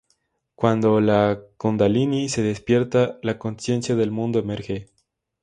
Cuando la kundalini se despierta, la consciencia del mundo emerge.